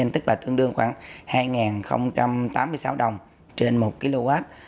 tức là tương đương khoảng hai tám mươi sáu đồng trên một kw